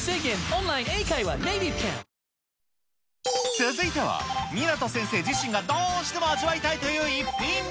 続いては、湊先生自身がどうしても味わいたいという逸品。